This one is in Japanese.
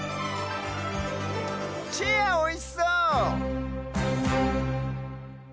チェアおいしそう！